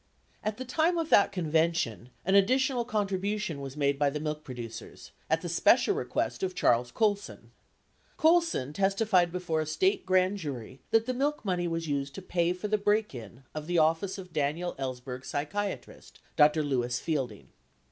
At the time of that convention, an additional contribution was made by the milk producers — at the special request of Charles Colson. Colson testified before a State grand jury that the milk money was used to pay for the break in of the office of Daniel Ellsberg's psychia trist, Dr. Lewis Fielding.